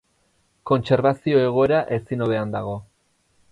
Kontserbazio egoera ezin hobean dago.